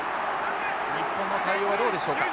日本の対応はどうでしょうか。